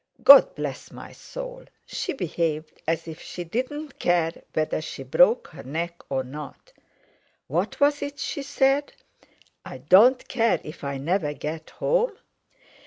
God bless my soul! she behaved as if she didn't care whether she broke her neck or not! What was it she said: 'I don't care if I never get home?